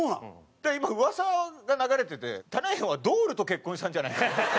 だから今噂が流れててたなやんはドールと結婚したんじゃないかって。